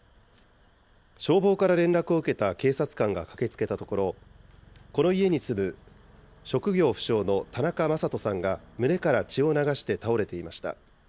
消防から連絡を受けた警察官が駆けつけたところ、この家に住む職業不詳の田中正人さんが胸から血を流して倒れていました。